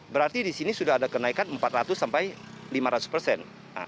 berarti di sini sudah ada kenaikan empat ratus sampai lima ratus persen